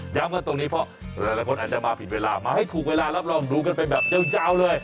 กันตรงนี้เพราะหลายคนอาจจะมาผิดเวลามาให้ถูกเวลารับรองดูกันไปแบบยาวเลย